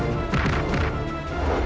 aku akan buktikan